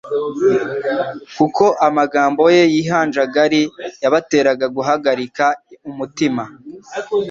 Kuko amagambo ye y'ihanjagari yabateraga guhagarika umutima,